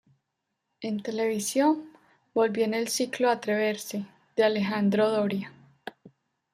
En televisión volvió en el ciclo "Atreverse" de Alejandro Doria.